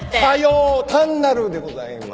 単なるでございます。